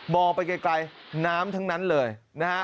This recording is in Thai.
ไปไกลน้ำทั้งนั้นเลยนะฮะ